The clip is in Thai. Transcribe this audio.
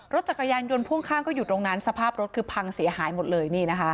รถจักรยานยนต์พ่วงข้างก็อยู่ตรงนั้นสภาพรถคือพังเสียหายหมดเลยนี่นะคะ